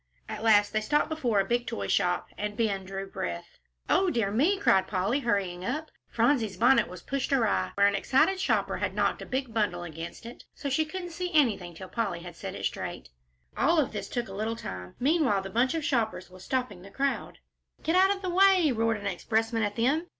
At last they stopped before a big toy shop, and Ben drew breath. "O dear me!" cried Polly, hurrying up. Phronsie's bonnet was pushed awry where an excited shopper had knocked a big bundle against it, so she couldn't see anything till Polly had set it straight. All this took a little time; meanwhile the bunch of shoppers was stopping the crowd. "Get out of the way," roared an expressman at them.